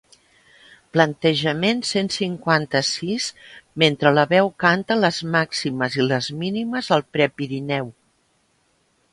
Plantejament cent cinquanta-sis mentre la veu canta les màximes i les mínimes al Prepirineu.